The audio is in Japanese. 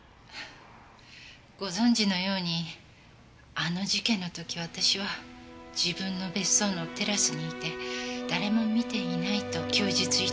ご存じのようにあの事件の時私は自分の別荘のテラスにいて誰も見ていないと供述致しました。